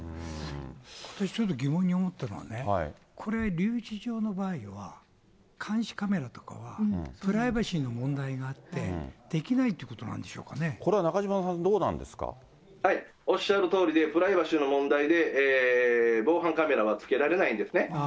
私ちょっと疑問に思ったのはね、これ、留置場の場合は、監視カメラとかは、プライバシーの問題があって、できないっていうここれは中島さん、どうなんでおっしゃるとおりで、プライバシーの問題で、防犯カメラはつけられないんですね。